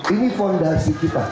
ini fondasi kita